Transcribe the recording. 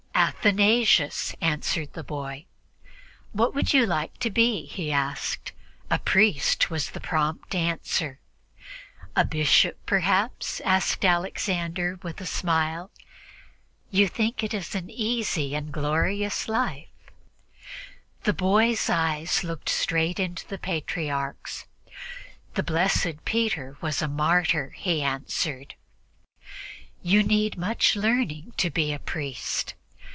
"Athanasius," answered the boy. "What would you like to be?" he asked. "A priest," was the prompt answer. "A bishop perhaps?" asked Alexander with a smile; "you think it is an easy and a glorious life?" The boy's eyes looked straight into the Patriarch's. "The blessed Peter was a martyr," he answered. "You need much learning to be a priest."